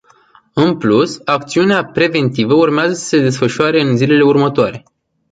În plus, acțiunea preventivă urmează să se desfășoare și în zilele următoare.